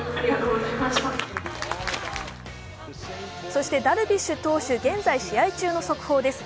そしてダルビッシュ投手、現在、試合中の速報です。